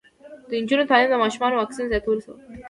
د نجونو تعلیم د ماشومانو واکسین زیاتولو سبب دی.